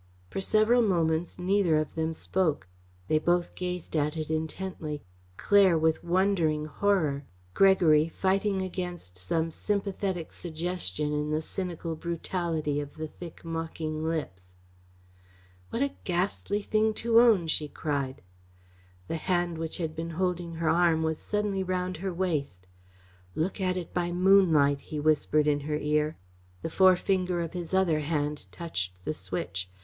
For several moments neither of them spoke. They both gazed at it intently; Claire with wondering horror; Gregory fighting against some sympathetic suggestion in the cynical brutality of the thick mocking lips. "What a ghastly thing to own," she cried. The hand which had been holding her arm was suddenly round her waist. "Look at it by moonlight," he whispered in her ear. The forefinger of his other hand touched the switch.